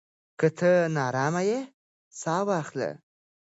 که ته ناارام يې، ساه واخله.